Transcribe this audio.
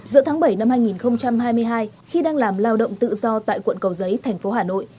giữa tháng bảy năm hai nghìn hai mươi hai khi đang làm lao động tự do tại quận cầu giấy thành phố hà nội